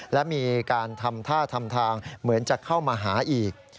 และมีการทำท่าทำทางเหมือนจะเข้ามาหาอีก